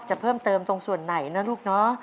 จะเพิ่มเติมตรงส่วนไหนนะลูกเนาะ